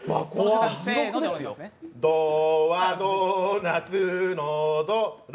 ドはドーナツのド、ラ。